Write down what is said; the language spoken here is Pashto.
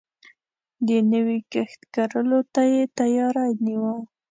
د نوی کښت کرلو ته يې تياری نيوه.